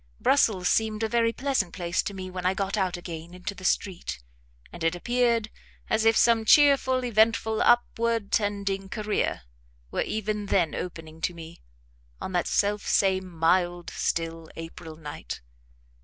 Brussels seemed a very pleasant place to me when I got out again into the street, and it appeared as if some cheerful, eventful, upward tending career were even then opening to me, on that selfsame mild, still April night.